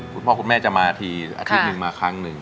คุณพ่อคุณแม่จะมาทีอาทิตย์๑มาครั้ง๑